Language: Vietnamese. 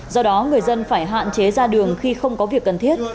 do đó người dân phải hạn chế ra đường khi không có việc cần thiết